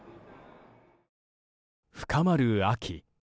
深まる秋。